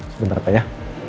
sebentar pak ya